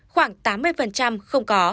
khoảng tám mươi không có